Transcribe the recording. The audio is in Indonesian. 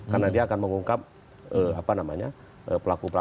karena dia akan mengungkap pelaku pelaku lain